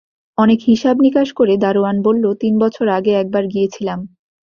অনেক হিসাব-নিকাশ করে দারোয়ান বলল, তিন বছর আগে একবার গিয়েছিলাম।